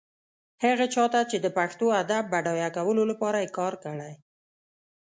هغه چا ته چې د پښتو ادب بډایه کولو لپاره يې کار کړی.